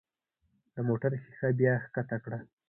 د موټر ښيښه بیا ښکته کړه.